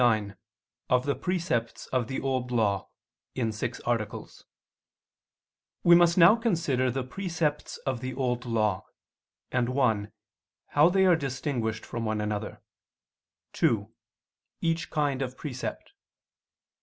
________________________ QUESTION 99 OF THE PRECEPTS OF THE OLD LAW (In Six Articles) We must now consider the precepts of the Old Law; and (1) how they are distinguished from one another; (2) each kind of precept.